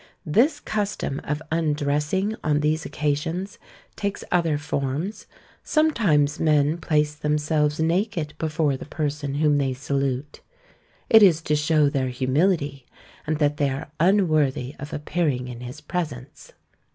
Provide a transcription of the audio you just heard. This custom of undressing on these occasions takes other forms; sometimes men place themselves naked before the person whom they salute; it is to show their humility, and that they are unworthy of appearing in his presence.